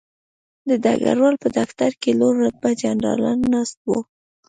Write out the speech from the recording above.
د ډګروال په دفتر کې لوړ رتبه جنرالان ناست وو